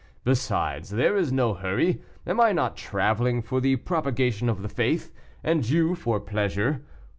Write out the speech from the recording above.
Besides, there is no hurry: am I not traveling for the propagation of the faith, and you for pleasure?